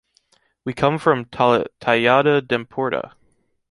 We come from Tallada d'Empordà.